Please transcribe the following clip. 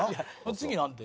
次なんて？